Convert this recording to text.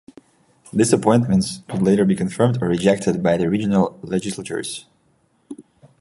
These appointments could later be confirmed or rejected by the regional legislatures.